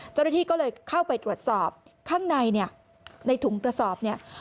เจ้าหน้าที่ก็เลยเข้าไปตรวจสอบข้างในเนี่ยในถุงกระสอบเนี่ย